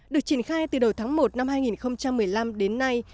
được triển khai từ đầu tháng một năm hai nghìn một mươi năm đến nay